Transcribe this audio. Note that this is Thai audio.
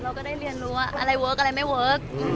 เราก็ได้เรียนรู้ว่าอะไรเวิร์คอะไรไม่เวิร์ค